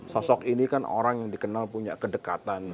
sosok ini kan orang yang dikenal punya kedekatan